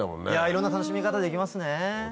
いろんな楽しみ方できますね。